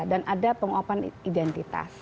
dan ada penguapan identitas